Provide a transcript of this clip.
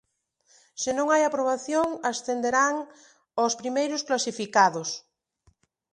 Se non hai aprobación, ascenderán os primeiros clasificados.